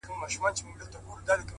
• چي اعلان به مو جګړه را میداني کړه,